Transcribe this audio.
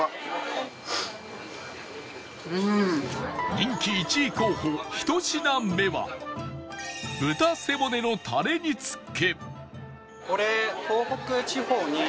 人気１位候補１品目は豚背骨のタレ煮付け